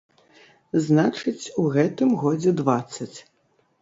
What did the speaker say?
Значыць, у гэтым годзе дваццаць.